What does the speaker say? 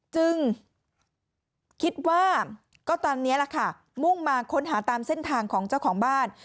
จึงคิดว่าก็ตามนี้แหละค่ะมุ่งมาค้นหาตามเส้นทางของเจ้าของบ้าน